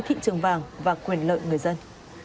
thị trường vàng và quyền lợi người dân